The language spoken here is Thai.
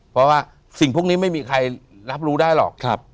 เพราะว่าสิ่งพวกนี้ไม่มีใครรับรู้ได้หรอก